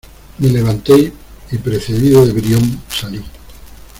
me levanté, y precedido de Brión , salí.